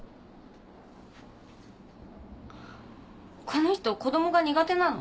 この人子供が苦手なの。